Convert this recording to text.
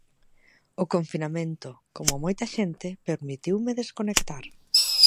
O confinamento, como a moita xente, permitiume desconectar.